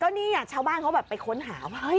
ก็นี่ชาวบ้านเขาไปค้นหา